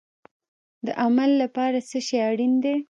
د عمل لپاره څه شی اړین دی؟